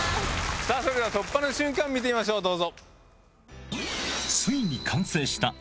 それでは突破の瞬間見てみましょうどうぞ。